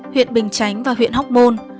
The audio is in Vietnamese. huyện bình chánh và huyện hóc môn